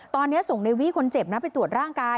ตอนนี้ส่งในวี่คนเจ็บนะไปตรวจร่างกาย